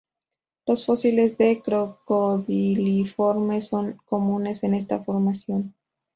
Los fósiles de crocodiliformes son comunes en esta formación.